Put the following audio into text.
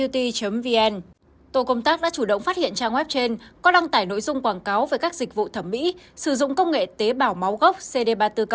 tổ công tác đã chủ động phát hiện trang web trên có đăng tải nội dung quảng cáo về các dịch vụ thẩm mỹ sử dụng công nghệ tế bảo máu gốc cd ba trăm bốn mươi